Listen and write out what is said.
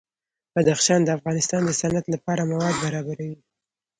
بدخشان د افغانستان د صنعت لپاره مواد برابروي.